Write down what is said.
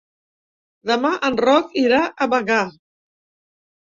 Demà en Roc irà a Bagà.